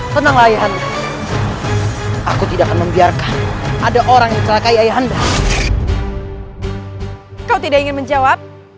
kau tidak ingin menjawab